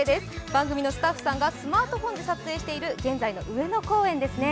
番組のスタッフさんがスマートフォンで撮影している現在の上野公園ですね。